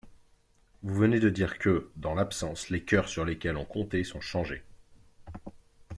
Vous venez de dire que, dans l'absence, les coeurs sur lesquels on comptait sont changés.